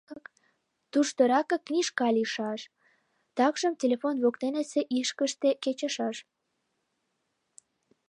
Туштыракак книжка лийшаш, такшым телефон воктенысе ишкыште кечышаш.